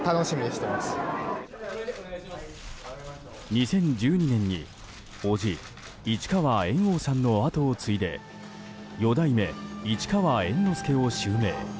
２０１２年に伯父・市川猿翁さんの後を継いで四代目市川猿之助を襲名。